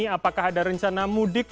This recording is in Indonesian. betul sekali mas apakah ada rencana mudik